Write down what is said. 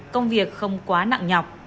công việc không quá nặng nhọc